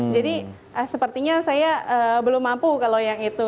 jadi sepertinya saya belum mampu kalau yang itu